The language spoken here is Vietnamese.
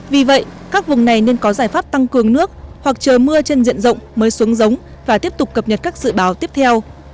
vì vậy các vùng này nên có giải pháp tăng cường nước hoặc chờ mưa trên diện rộng mới xuống giống và tiếp tục cập nhật các dự báo tiếp theo